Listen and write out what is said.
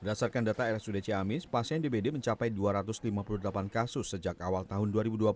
berdasarkan data rsud ciamis pasien dbd mencapai dua ratus lima puluh delapan kasus sejak awal tahun dua ribu dua puluh